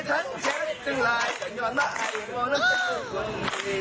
แต่ยังบอกให้ชัยว่าเต้าแล้วต้องกลับมา